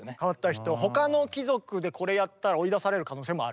他の貴族でこれやったら追い出される可能性もある。